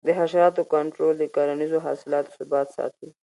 د حشراتو کنټرول د کرنیزو حاصلاتو ثبات ساتي.